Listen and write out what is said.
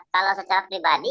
kalau secara pribadi